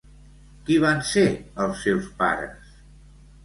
Qui van ser els seus pares?